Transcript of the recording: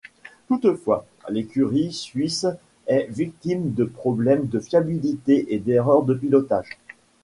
Toutefois, l'écurie suisse est victime de problèmes de fiabilité et d'erreurs de pilotage.